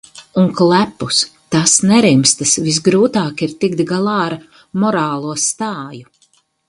Un, klepus – tas nerimstas. Visgrūtāk ir tikt galā ar "morālo stāju".